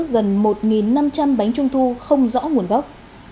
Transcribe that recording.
gần một năm trăm linh bánh trung thu không rõ nguồn gốc